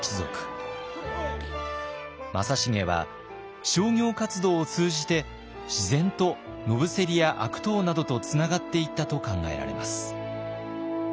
正成は商業活動を通じて自然と野伏や悪党などとつながっていったと考えられます。